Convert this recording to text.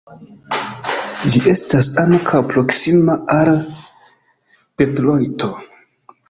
Ĝi estas ankaŭ proksima al Detrojto.